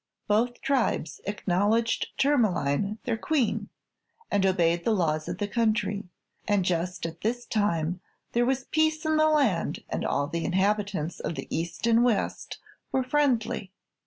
Both Tribes acknowledged Tourmaline their Queen and obeyed the laws of the country, and just at this time there was peace in the land and all the inhabitants of the east and west were friendly.